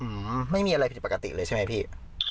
อืมไม่มีอะไรผิดปกติเลยใช่ไหมพี่